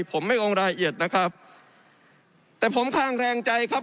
ผมไม่องค์รายละเอียดนะครับแต่ผมข้างแรงใจครับ